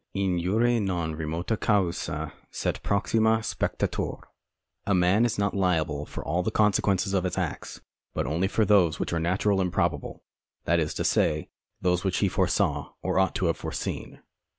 In jure non remota causa sed proxima spectatur. Bacon's Maxims of the Law, 1. A man is not liable for all the consequences of his acts, but only for those which are natural and probable — that is to say, those which he foresaw or ought to have foreseen.